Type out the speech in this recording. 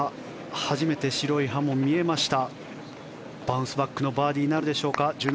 初めて白い歯も見えました。